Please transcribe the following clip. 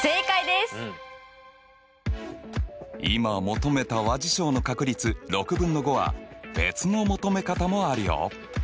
今求めた和事象の確率６分の５は別の求め方もあるよ。